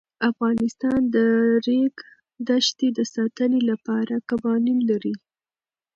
افغانستان د د ریګ دښتې د ساتنې لپاره قوانین لري.